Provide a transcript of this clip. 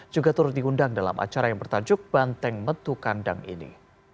juga turut diundang dalam acara yang bertajuk banteng metu kandang ini